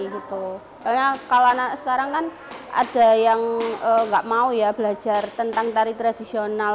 karena kalau anak sekarang kan ada yang nggak mau ya belajar tentang tari tradisional